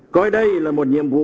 coi đây là một nhiệm vụ